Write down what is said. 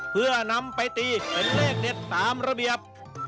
เพื่อนำไปตีเป็นเลขเด็ดตามระเบียบ